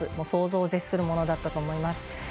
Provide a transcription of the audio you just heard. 想像を絶するものだと思います。